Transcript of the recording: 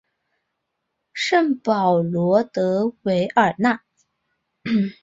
圣保罗德韦尔讷。